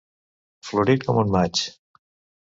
Florit com un maig.